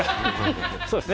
そうですね。